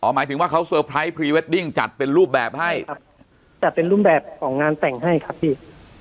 อ๋อหมายถึงว่าเขาจัดเป็นรูปแบบให้ครับแต่เป็นรูปแบบของงานแต่งให้ครับพี่